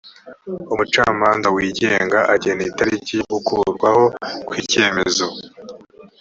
umucamanza wigenga agena itariki y’ugukurwaho kw’icyemezo